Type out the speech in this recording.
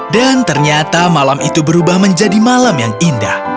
dan ternyata malam itu berubah menjadi malam yang indah